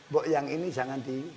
bu yang ini jangan di